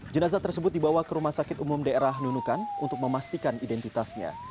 jenazah tersebut dibawa ke rumah sakit umum daerah nunukan untuk memastikan identitasnya